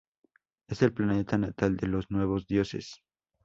Es el planeta natal de los Nuevos Dioses.